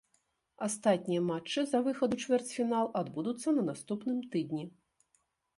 Астатнія матчы за выхад у чвэрцьфінал адбудуцца на наступным тыдні.